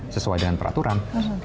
sesuai dengan peraturan